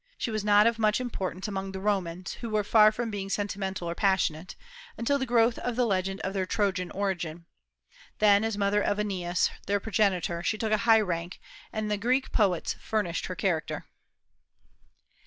She was not of much importance among the Romans, who were far from being sentimental or passionate, until the growth of the legend of their Trojan origin. Then, as mother of Aeneas, their progenitor, she took a high rank, and the Greek poets furnished her character.